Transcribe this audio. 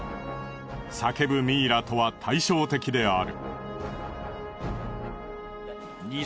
叫ぶミイラとは対照的である。